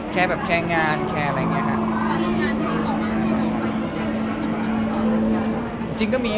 แคร์แบบแคร์งานก็อะไรเงี้ยครับ